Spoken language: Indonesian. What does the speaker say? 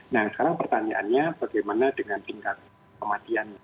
nah sekarang pertanyaannya bagaimana dengan tingkat kematiannya